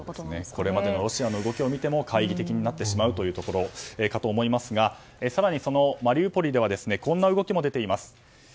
これまでのロシアの動きを見て懐疑的になってしまうというところかと思いますが更に、マリウポリではこんな動きも出ています。